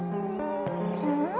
うん？